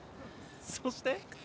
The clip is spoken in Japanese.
そして。